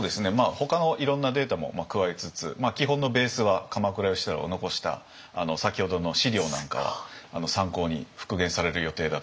ほかのいろんなデータも加えつつ基本のベースは鎌倉芳太郎が残した先ほどの資料なんかは参考に復元される予定だと思います。